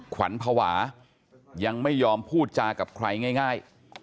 ขวัญภาวะยังไม่ยอมพูดจากับใครง่าย